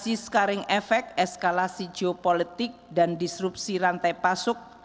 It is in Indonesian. sisi scaring efek eskalasi geopolitik dan disrupsi rantai pasok